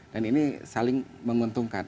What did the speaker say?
dan ini saling menguntungkan